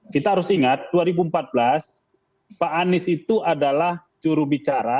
kita harus ingat dua ribu empat belas pak anies itu adalah jurubicara